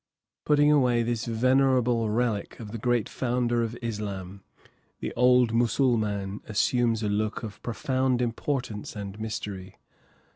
Putting away this venerable relic of the great founder of Islam, the old Mussulman assumes a look of profound importance and mystery.